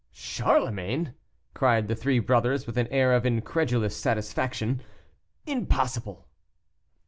"Charlemagne!" cried the three brothers, with an air of incredulous satisfaction, "Impossible!"